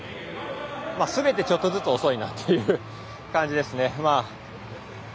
すべてちょっとずつ遅いなという感じですね。